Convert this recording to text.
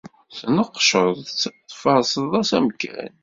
Tneqceḍ-tt, tferseḍ-as amkan.